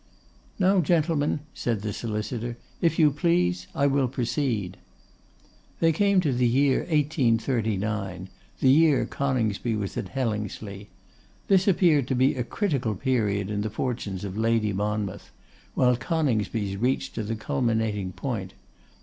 'Now, gentlemen,' said the solicitor, 'if you please, I will proceed.' They came to the year 1839, the year Coningsby was at Hellingsley. This appeared to be a critical period in the fortunes of Lady Monmouth; while Coningsby's reached to the culminating point.